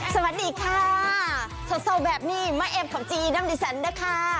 สวัสดีค่ะโซโซแบบนี้มาเอ็บข้าวจีน้ำดิสันด้วยค่ะ